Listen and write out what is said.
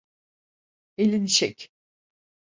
Elini çek.